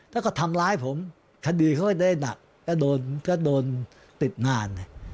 แล้วก็ทำร้ายผมคดีเขาไม่ได้หนักก็โดนติดงาน